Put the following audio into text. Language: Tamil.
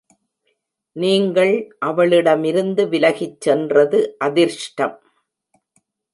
நீங்கள் அவளிடமிருந்து விலகிச் சென்றது அதிர்ஷ்டம்.